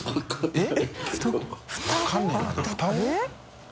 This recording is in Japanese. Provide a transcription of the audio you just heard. えっ！